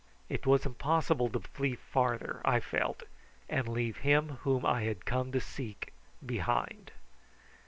It was impossible to flee farther, I felt, and leave him whom I had come to seek behind.